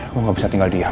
gue gak bisa tinggal diam